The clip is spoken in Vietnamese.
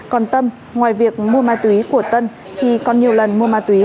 còn tâm ngoài việc mua ma túy của tân thì còn nhiều lần mua ma túy